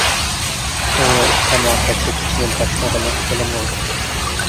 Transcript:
ئۇ تاماكا چېكىشنى باشلىغىلى خىلى بولدى.